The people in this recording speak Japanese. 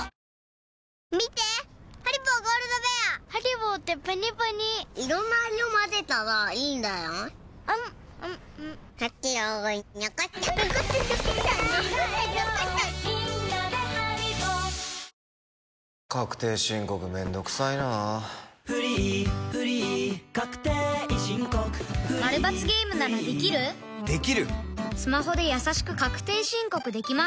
スマホでやさしく確定申告できます